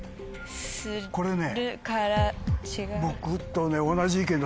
これね。